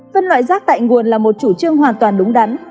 phân loại rác tại nguồn là một chủ trương hoàn toàn đúng đắn